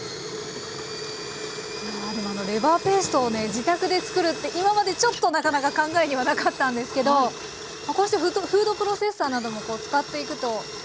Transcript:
レバーペーストをね自宅で作るって今までちょっとなかなか考えにはなかったんですけどこうしてフードプロセッサーなども使っていくと。